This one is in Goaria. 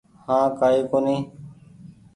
هآنٚ ڪآئي ڪونيٚ